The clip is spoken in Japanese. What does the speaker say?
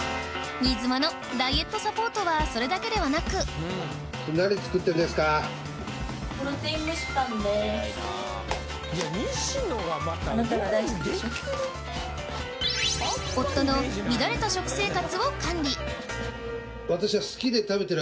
新妻のダイエットサポートはそれだけではなく西野がまた料理できる。